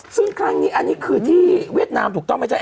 ซึ่งครั้งนี้อันนี้คือที่เวียดนามถูกต้องไหมจ๊ะ